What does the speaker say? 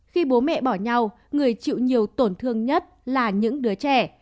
khi bố mẹ bỏ nhau người chịu nhiều tổn thương nhất là những đứa trẻ